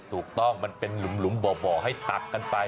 ถูกต้องมันเป็นหลุมบ่อให้ตักกันไป